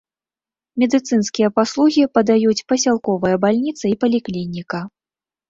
Медыцынскія паслугі падаюць пасялковая бальніца і паліклініка.